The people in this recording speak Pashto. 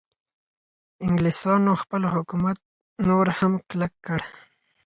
انګلیسانو خپل حکومت نور هم کلک کړ.